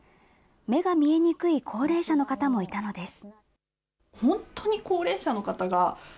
目が見えにくい高齢者の方もいたのです。